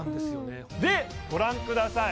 でご覧ください